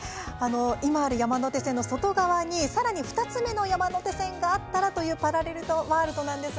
今ある山手線の外側にさらに２つ目の山手線があったらというパラレルワールド。